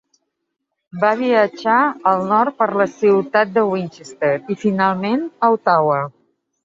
Va viatjar al nord per la ciutat de Winchester i, finalment, a Ottawa.